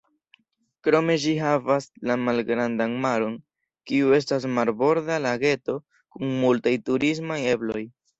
Krome ĝi havas la Malgrandan Maron, kiu estas marborda lageto kun multaj turismaj ebloj.